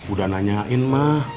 udah nanyain ma